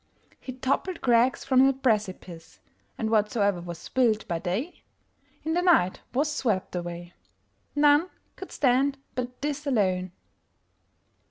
He toppled crags from the precipice, And whatsoe'er was built by dayIn the night was swept away:None could stand but this alone.